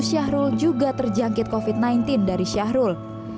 syahrul juga terjangkit covid sembilan belas dari syahrul